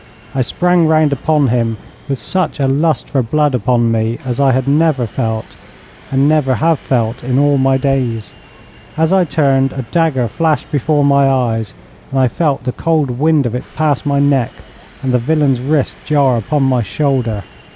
I sprang round upon him with such a lust for blood upon me as I had never felt, and never have felt, in all my days. As I turned, a dagger flashed before my eyes, and I felt the cold wind of it pass my neck and the villain's wrist jar upon my shoulder.